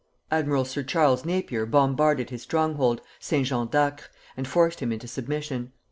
Admiral Sir Charles Napier bombarded his stronghold, St. Jean d'Acre, and forced him into submission.